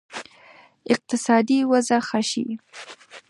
اقتصادي وضع ښه شي.